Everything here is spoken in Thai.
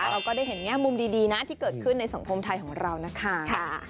เราก็ได้เห็นแง่มุมดีนะที่เกิดขึ้นในสังคมไทยของเรานะคะ